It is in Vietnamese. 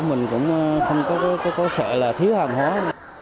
mình cũng không có sợ là thiếu hàng hóa